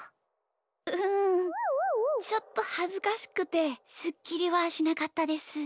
うんちょっとはずかしくてスッキリはしなかったです。